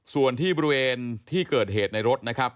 ส่วนที่บริเวณที่เกิดเหตุในรถนะครับ